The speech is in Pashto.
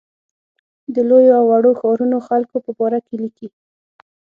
د لویو او وړو ښارونو خلکو په باره کې لیکي.